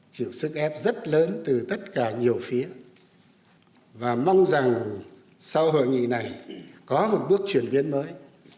chịu sức ép rất lớn từ tất cả nhiều phía và mong rằng sau hội nghị này có một bước chuyển biến mới